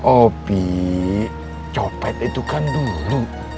opi copet itu kan dulu